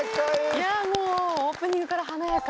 いやもうオープニングから華やか。